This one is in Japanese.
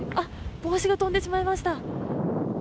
帽子が飛んでしまいました。